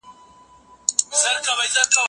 چه عربي اسلام دي ذهن روښان كړينه